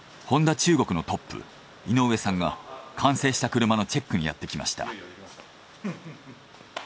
中国のトップ井上さんが完成した車のチェックにやってきました。